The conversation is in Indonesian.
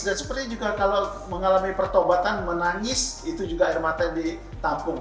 dan seperti juga kalau mengalami pertobatan menangis itu juga air mata ditampung